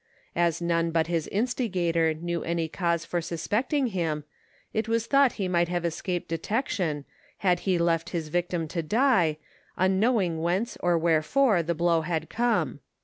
As none but his instigator knew any caase for suspecting him, it was thought he might have escaped detection, had he lefl his victim to die, unknowing whence or wherefore the blow had come.